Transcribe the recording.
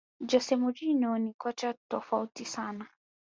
jose mourinho ni kocha tofautisana